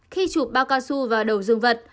khi chụp bao cao su vào đầu dương vật